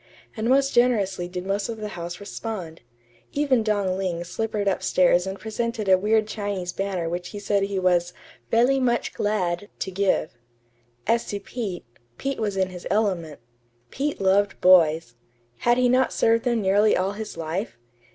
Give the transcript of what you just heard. And most generously did most of the house respond. Even Dong Ling slippered up stairs and presented a weird Chinese banner which he said he was "velly much glad" to give. As to Pete Pete was in his element. Pete loved boys. Had he not served them nearly all his life?